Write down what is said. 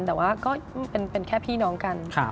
แต่ว่าก็เป็นแค่พี่น้องกัน